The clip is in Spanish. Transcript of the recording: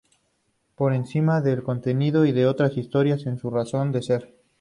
Por encima de contenido y otras historias, es su razón de ser.